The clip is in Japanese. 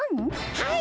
はい！